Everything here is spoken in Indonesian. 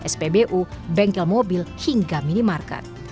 spbu bengkel mobil hingga minimarket